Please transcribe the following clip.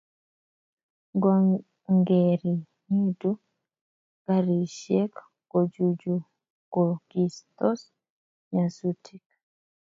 Ngongeringitu garisiek kochuchukokistos nyasutik